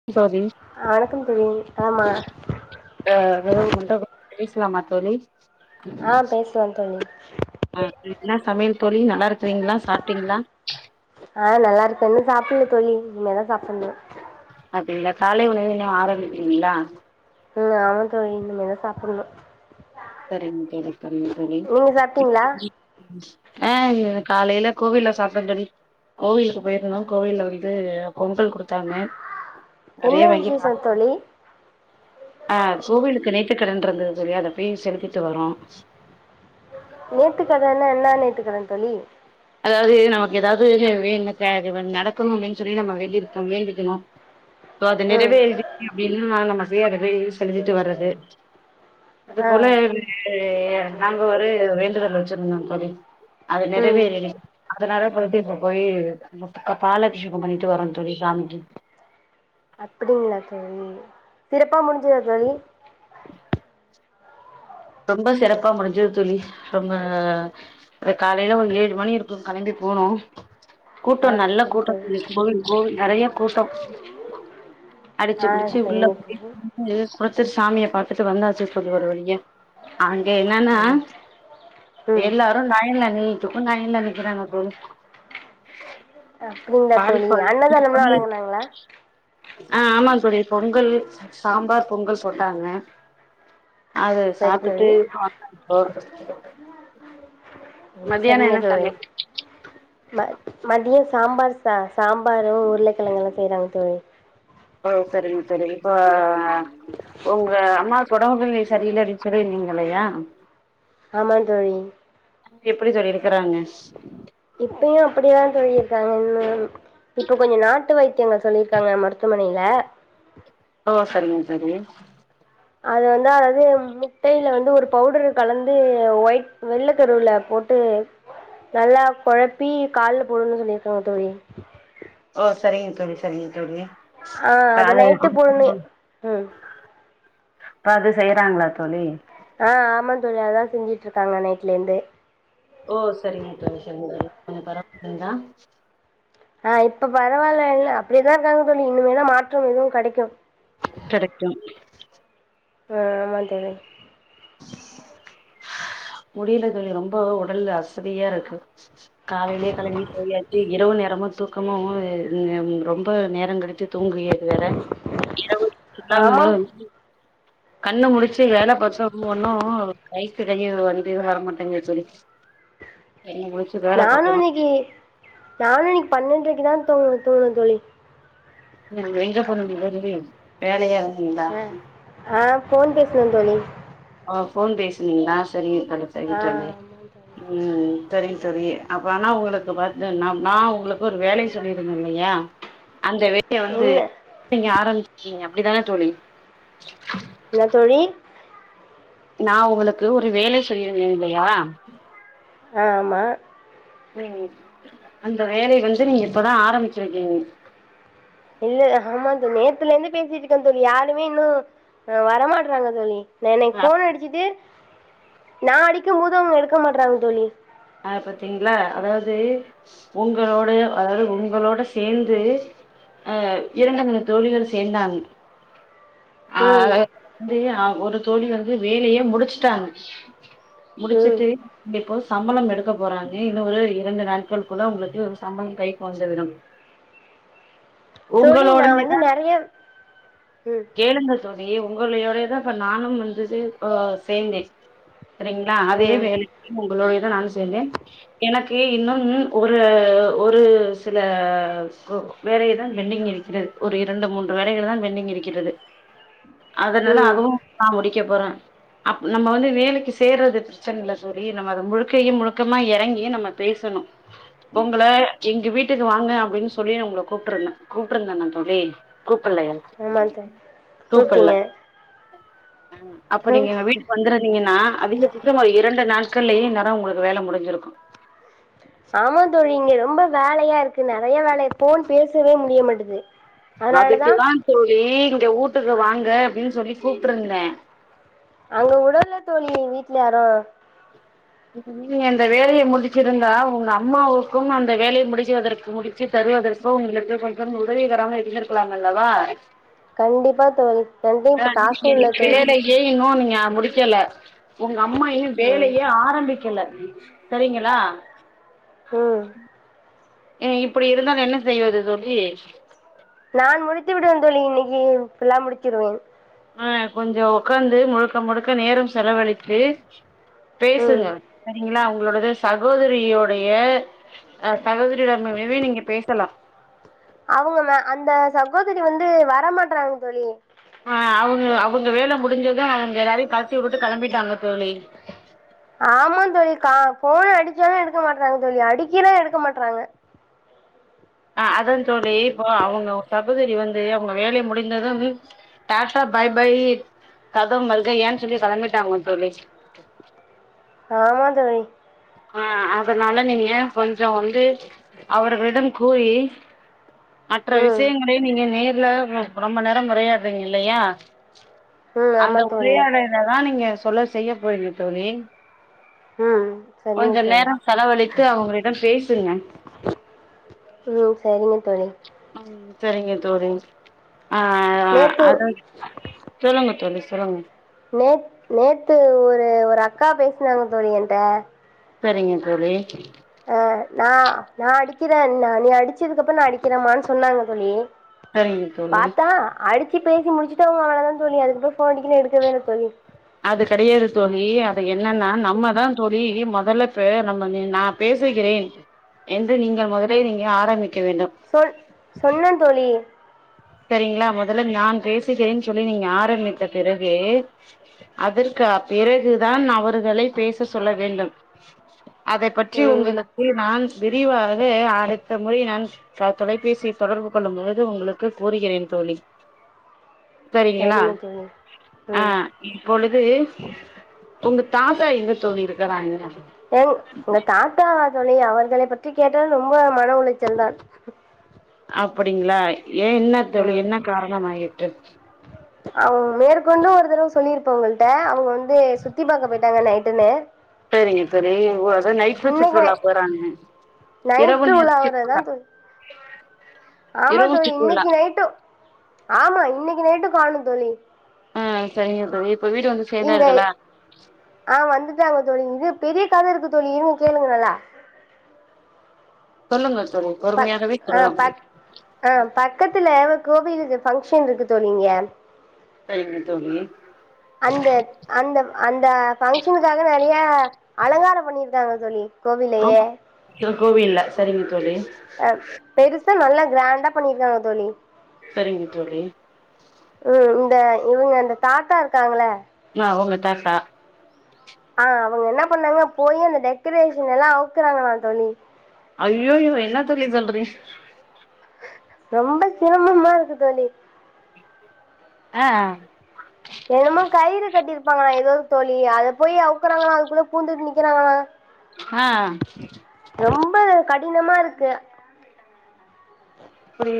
[inaudible] வணக்கம் தோழி ஆமா ஆ [unintelligible] பேசலாமா தோழி ஆ பேசலா தோழி என்னா சமையல் தோழி நல்லாருக்றீங்ளா சாப்ட்டீங்களா ஆ நல்லாருக்கோ இன்னு சாப்புல தோழி இனிமே தா சாப்புணு அப்டிங்ளா காலை உணவு இன்னு ஆரம்பிக்லிங்ளா ம் ஆமா தோழி இனிமேதா சாப்புணு செரிங் செரிங்க தோழி நீங்க சாப்ட்டீங்களா ஆ காலைல கோவில்ல சாப்ட்டே தோழி கோவிலுக்கு போயிருந்தோ கோவில்ல வந்து பொங்கல் குடுத்தாங்க அதயே என்ன வாங்கி கா விசேஷோ தோழி ஆ கோவிலுக்கு நேர்த்திக்கடன் இருந்தது அத போய் செலுத்திட்டு வரோ நேர்த்திக்கடன்னா என்ன நேர்த்திக்கடன் தோழி அதாவ்து நமக்கு எதாவ்து வேண்ண காரியோ நடக்கணு அப்டின் சொல்லி நம்ம வேண்டிருக்கோ வேண்டிக்கணு சோ அத ம் நெறவேறிடுச்சு அப்டின்னா நம்ம சியாட்ட போய் செலுத்திட்டு வர்றது அது ஆ போல வந்து நாங்க ஒரு வேண்டுதல் வெச்சிருந்தோ தோழி அது ம் நெறவேறிரு அதனால பெறப்ட்டு இப்ப போயி முட்டுக்கா பாலபிஷகோ பண்ணிட்டு வரோ தோழி சாமிக்கு அப்டிங்ளா தோழி சிறப்பா முடிஞ்சுதா தோழி ரொம்ப சிறப்பா முடிஞ்சது தோழி ரொம்ப அது காலைல ஒரு ஏழு மணி இருக்கு கெளம்பி போனோ கூட்டோ ஆ நல்ல சரி கூட்டோ தோழி கோவில் கோவில் நறைய கூட்டோ அடிச்சு ஆ புடிச்சு உள்ள சரிங்க போய் தோழி [unintelligible] சாமிய பாத்துட்டு வந்தாச்சு தோழி‌ ஒரு‌ வழியா‌ அங்க என்னன்னா ம் எல்லா லைன்ல நின்னுட்ருக்கோ லைன்ல நிக்கிறாங்க தோழி அப்டிங்ளா‌ தோழி பால் அன்னதானம்லா வழங்குனாங்களா ஆ ஆமா தோழி பொங்கல் சாம்பார் பொங்கல் போட்டாங்க அத சரி சாப்ட்டுட்டு தோழி [unintelligible] அ சரிங்க தோழி சமையல் ம மதியம் சாம்பார் சா சாம்பாரும் உருளைக்கிழங்கும் செய்றாங்க தோழி ஓ சரிங்க தோழி இப்ப உங்க அம்மா சொட விழி சரியில்லன்னு சொல்லி இருந்தீங்க இல்லையா ஆமாந் தோழி எப்டி சொல்லியிருக்கறாங்க இப்பவும் அப்டிதா தோழி இருக்காங்க இப்ப கொஞ்சோ நாட்டு வைத்தியங்கள் சொல்லியிருக்காங்க மருத்துவமனையில ஓ சரிங்க தோழி அது வந்து அதாவது முட்டையில வந்து ஒரு பவுடரு கலந்து ஒயிட் வெள்ள கருவுல போட் நல்லா குழப்பி கால்ல போடனுன்னு சொல்லியிருக்காங்க தோழி ஓ சரிங்க தோழி சரிங்க தோழி அ இப்ப அத அது நைட்டு போடனும் ம் பாத்து செய்றாங்களா தோழி அ ஆமாந் தோழி அது தா செஞ்சுட்டு இருக்காங்க நைட்ல இருந்து ஓ சரிங்க தோழி சரிங்க தோழி கொஞ்சோ பரவால்லைங்களா அ இப்ப பரவாயில்லல்ல அப்டியே தான் இருக்காங்க தோழி இனிமே தான் மாற்றம் எதுவும் கிடைக்கும் கிடைக்கும் ஆ ஆமாந் தோழி முடில தோழி ரொம்ப உடல்ல அசதியா இருக்கு காலைலயே கிளம்பி போய்யாச்சி இரவு நேரமா தூக்கமா அ வருதுங்க ரொம்ப நேரம் கடுத்து தூங்கியது வேற இரவு உடம்புலா ஆமாம் வலிக்குது கண்ணு முழிச்சு வேலை பாத்தும் ஒண்ணும் கை கிடங்கி வந்து வரமாட்டிங்குது தோழி என்னமோ நானும் இன்னிக்கு நானும் இன்னிக்கு பன்னென்ரைக்கு தான் தூங்க தூங்கன தோழி எங்க போனிங்க தோழி வேலையா இருந்தீங்களா அ போன் பேசுன தோழி ஓ போன் பேசுனீங்களா சரிங்க தோழி சரிங்க ஆ தோழி ஆமாம் தோழி ம் ம் ம் சரிங்க தோழி அப்ப ஆனா உங்களுக்கு பாத்து ந நா உங்களுக்கு ஒரு வேலை சொல்லியிருந்தன் இல்லையா அந்த வேலைய வந்து என்ன நீங்க ஆரம்பிச்சிடிங்க அப்டித்தானே தோழி என்ன தோழி நா உங்களுக்கு ஒரு வேலை சொல்லிருந்தேன் இல்லையா அ ஆமா ம் அந்த வேலைய வந்து நீங்க இப்பதான் ஆரம்பிச்சிருக்கீங்க இல்ல ஆமா தோழி நேத்துல இருந்து பேசிட்டு இருக்கேன் தோழி யாருமே இன்னும் வரமாட்றாங்க தோழி ந இன்னிக்கு அ ஃபோன் அடிச்சிட்டு நா அடிக்கும் போது அவங்க எடுக்க மாட்றாங்க தோழி அ பாத்தீங்களா அதாவது உங்களோடைய அதாவது உங்களோட சேந்து அ இரண்டு மூணு தோழிகள் சேந்தாங்க அ ம் வந்து அ ஒரு தோழி வந்து வேலையே முடிச்சுட்டாங்க ம் முடிச்சுட்டு இங்க ஹவுஸ் சம் பளம் எடுக்க போறாங்க இன்னும் ஒரு இரண்டு நாட்களுக்குள்ள உங்களுக்கு ஒரு சம்பளம் கைக்கு வந்து விடும் தோழி நான் வந்து உங்களோடையதான் நிறைய ம் கேளுங்க தோழி உங்களையோட தான் இப்ப நானும் வந்துட்டு சே அ சேந்தேன் சரிங்களா அதே ம் வேலைக்கு உங்களோடையதான் நானும் சேந்தேன் எனக்கு இன்னும் ஒரு ஒரு சில ஸ்கூ வேலைக தான் பெண்டிங் இருக்கிறது ஒரு இரண்டு மூன்று வேலைகள் தான் பெண்டிங் இருக்கிறது அது ம் நல்லாகவு நா முடிக்க போற அப் நம்ம வந்து வேலைக்கு சேர்றது பிரச்சன இல்ல தோழி நம்ம அத முழு க்கையும் முழுக்கமா எறங்கி நம்ம பேசணு உங்கள எங்க வீட்டுக்கு வாங்க அப்டின் சொல்லி உங்கள கூப்ட்டுருந்தே கூப்ட்ருந்தன்னன் தோழி கூப்பல்லயா ஆமா தோ கூப்ட்டீங்க ஆ அப்ப நீங்க எ வீட்டுக் வந்துருந்தீங்கன்னா அதிக பட்சமா ஒரு இரண்டு நாட்கள்லயே இந்நேரோ உங்களுக்கு வேல முடிஞ்சிருக்கு ஆமா தோழி இங்க ரொம்ப வேலையா இருக்கு நெறைய வேல இருக் ஃபோன் பேசவே முடிய மாட்டுக்கு அதுக்குதா தோழி இங்க வூட்டுக்கு வாங்க அப்டின் சொல்லி கூப்ட்ருந்தே அங்கவுடல தோழி எங் வீட்ல யாரு இப்ப நீங்க இந்த வேலைய முடிச்சிருந்தா உங்க அம்மாவுக்கும் அந்த வேலைய முடிச்சுவதற்கு முடி ச்சு தருவதற்கு உங்களுக்கு கொஞ்சம் உதவிகரமா இருந்திருக்கலாம் அல்லவா கண்டிப்பா தோழி என்ட்ட காசு இல்ல தோழி கே இன்னு நீங்க முடிக்கல உங்க அம்மா இன்னு ம் வேலையே ஆரம்பிக்கல சரிங்களா ம் அ இப்படி இருந்தால் என்ன செய்வது தோழி நான் முடித்து விடுவேன் தோழி இன்னைக்கி இப்பல்லாம் முடிச்சிருவேன் அ கொஞ்சோ ஒக்காந்து முழுக்க முழுக்க நேரம் செலவழித்து ம் பேசுங்க சரிங்களா உங்களோடது சகோதரியோடைய அ சகோதரியோட ம் மேவி நீங்க பேசலா அவுங்க மே அந்த சகோதரி வந்து வரமாட்றாங் தோழி ஆ அவுங்கள அவுங்க வேல முடிஞ்சது அவுங்க எல்லாரையு கழ்ட்டி உட்டுட்டு கெளம்பிட்டாங்க தோழி ஆமாந்தோழி கா ஃபோன் அடிச்சாலு எடுக்க மாட்றாங்க தோழி அடிக்கிறே எடுக்க மாட்றாங்க ஆ அதா தோழி இப்போ அவுங்கோ சகோதரி வந்து அவுங்க வேலை முடிந்ததும் டாட்டா பாய் பய்யி கதம் மர்கையான் சொல்லி கெளம்பிட்டாங்கோ தோழி ஆமாந்தோழி அ அதனால நீங்க கொஞ்சோ வந்து அவர்களிடம் கூறி மற்ற ம் விஷயங்களை நீங்க நேர்ல உ ரொம்ப நேரம் உரையாட்றீங்க இல்லையா ம் அந்த ஆமா தோழி உரையாடலதா நீங்க சொல்ல செய்ய போறீங்க தோழி ம் சரிங்க கொஞ்ச தோழி நேரம் செலவழித்து அவங்களிடம் பேசுங்க ம் சரிங்க தொழி ம் செரிங்க தோழி ஆ அ நேற்று அத சொல்லுங்க தோழி சொல்லுங்க நேத் நேத்து ஒரு ஒரு அக்கா பேஸ்னாங்க தோழி என்ட்ட செரிங்க தோழி நா நா அடிக்கிறே ந நீ அடிச்சதுக்கப்பறோ நா அடிக்கிறமான் சொன்னாங்க தோழி சரிங்க தோழி பாத்தா அடிச்சு பேசி முடிச்சுட்டே அவுங் அவ்வளதா தோழி அதுக்குப்பறோ ஃபோன் அடிக்கறே எடுக்கவேல்ல தோழி அது கெடையது தோழி அது என்னன்னா நம்மதா சொல்லி மெதல்ல பே நம்ம நா பேசுகிறேன் என்று நீங்கள் மொதலே நீங்க ஆரம்பிக்க வேண்டும் சொ சொன்னந் தோழி செரிங்ளா மொதல்ல நான் பேசுகிறேன்னு சொல்லி நீங்க ஆரம்பித்த பிறகு அதற்கு அ பிறகு தான் அவர்களை பேச சொல்ல வேண்டும் அதை பற்றி ம் உங்களுக்கு நான் விரிவாக அடுத்த முறை நான் தொலைபேசியை தொடர்பு கொள்ளும் பொழுது உங்களுக்கு கூறுகிறேன் தோழி செரிங்களா சரிங்க தோழி ஆ ம் இப்பொழுது உங்க தாத்தா எங்க தோழி இருக்கறாங்க எங் எங்க தாத்தாவா தோழி அவர்களை பற்றி கேட்டால் ரொம்ப மன உளைச்சல் தான் அப்படிங்களா ஏன் என்ன தோழி ம் என்ன காரணம் ஆயிட்டு அவுங்க மேற்கொண்டு ஒரு தடவ சொல்லியிருப்பே உங்க கிட்ட அவங்க வந்து சுத்தி பாக்க போயிட்டாங்க நைட்டுன்னு செரிங்க தோழி நைட்ல சுற்றுலா இன்னைக்கு போறாங்க இரவு நைட்டு உலா நேரத்தில் ஆவுறதா சுற்றுலா தோழி ஆமா இரவு தோழி சுற்றுலா இன்னைக்கு நைட்டு ஆமா இன்னைக்கு நைட்டு காணோ தோழி ஆ செரிங்க தோழி இப்ப வீடு வந்து இங்க சேர்ந்தார்களா ஆ வந்துட்டாங்க தோழி இது பெரிய கத இருக்கு தோழி இருங்க கேளுங்க நல்லா சொல்லுங்கள் பக் ஆ பக் ஆ பக்கத்துல கோவிலுக்கு பங்க்ஷன் இருக்கு தோழி இங்க செரிங்க தோழி அந்த அந்த அந்த ஃபங்க்ஷனுக்காக நெறைய அலங்காரம் பண்ணிருக்காங்க தோழி கோவிலையே கோவில்ல செரிங்க தோழி பெருசா நல்லா கிராண்டா பண்ணிருக்காங்க தோழி செரிங்க தோழி ம் இந்த இவங்க இந்த தாத்தா இருக்காங்கள ஆ உங்க தாத்தா ஆ அவுங்க என்ன பண்ணாங்க போயி அந்த டெகாரேஷன் எல்லா அவுக்கறாங்களா தோழி அய்யோயோ என்னா தோழி சொல்றீங்க ரொம்ப சிரம்மமா இருக்கு தோழி ஆ என்னமோ கயிறு கட்டிருப்பாங்கள ஏதோ தோழி அத போயி அவுக்கறாங்களா அதுக்குள்ள பூந்துட்டு நிக்கிறாங்களா ஆ ரொம்ப கடினமா இருக்கு அப்டி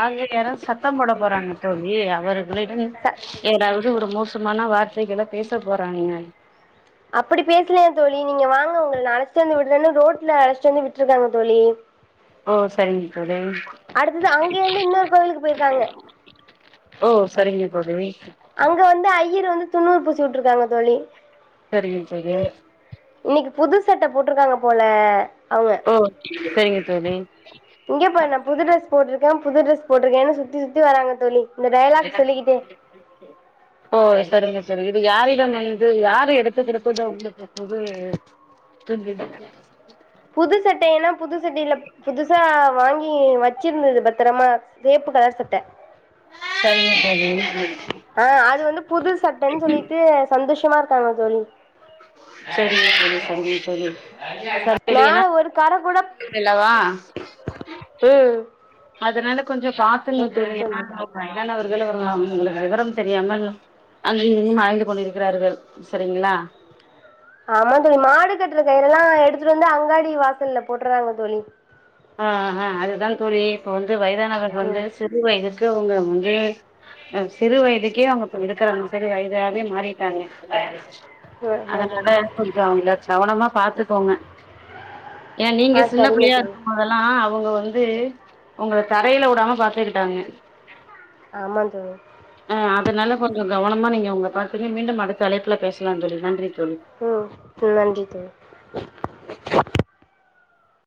ஆங்க யாராச்சி சத் சத்தம் போட போறாங்க தோழி அவர்களிடம் ச ஏதாவது ஒரு மோச மோசமான வார்த்தைகளை பேச போறாங்க அப்டி பேசலையா தோழி நீங்க வாங்க உங்கள அழச்சிட்டு வந்து விடுறே ரோட்ல அழச்சிட்டு வந்து விட்டுருக்காங்க தோழி ஓ சரிங்க தோழி அடுத்தது அங்கே இருந்து இன்னொரு கோயிலுக்கு போயிருக்காங்க ஓ சரிங்க தோழி அங்க வந்து ஐயர் வந்து திண்ணூறு பூசி விட்டுருக்காங்க தோழி சரிங்க தோழி இன்னிக்கு புது சட்ட போட்டு இருக்காங்க போல அவங்க ஓ செரிங்க தோழி இங்க பாரு நா புது டிரெஸ் போட்டுருக்கே புது டிரெஸ் போட்டுருக்கேன்னு சுத்தி சுத்தி வராங்க தோழி இந்த டயலாக் சொல்லிக்கிட்டே [unintelligible] ஓ செரிங்க செரிங்க இது யாரிடம் வந்து யாரு எடுத்து குடுத்தது அவுங்களுக்கு புது துணி எடுத்து புது சட்டையெல்லா புதுசட்டையில புதுசா வாங்கி வச்சிருந்தது பத்திரமா வேப்பு கலர் சட்ட சரிங்க தோழி ஆ அது வந்து புது சட்டன் சொல்லிட்டு சந்தோஷமா இருக்காங்க தோழி சரிங்க தோழி சரிங்க தோழி மேல ஏனா ஒரு கர கூட [unintelligible] அல்லவா ம் அதனால கொஞ்சம் பாத்துங்க நேத்து தோழி எடுத்துட்டு வந்தது என்னானு வாயதானவர்கள் [unintelligible] விவரம் தெரியாமல் அங்கையும் கங்கையும் அலைந்து கொண்டு இருக்கிறார்கள் சரிங்ளா ஆமா தோழி மாடு கட்டுற கயிறெல்லா எடுத்துட்டு வந்து அங்காடி வாசல்ல போட்டுறாங்க தோழி ஆஹ் ஆஹ அதுதா தோழி இப்ப வந்து வயதானவர் வந்து ம் சிறு வயதுக்கு அவுங்க வந்து சிறு வயதுக்கே அவுங்க இப்ப இருக்குறாங்க சிறு வயதாவே மாறிட்டாங்க ஆமா அதனால தோழி கொஞ்சோ அவுங்ள கவனமா பாத்துக்கோங்க ஏ நீங்க ஆ சின்ன சரிங்க பிள்ளையா தோழி இருக்கும் போதெல்லா அவுங்க வந்து உங்கள தரையில வுடாம பாத்துக்கிட்டாங்க ஆமா தோழி ஆஹ் அதனால கொஞ்சோ கவனமா நீங்க அவுங்கள பாத்துங்க மீண்டும் அடுத்த அழைப்புல பேசலா தோழி நன்றி தோழி உ நன்றி தோழி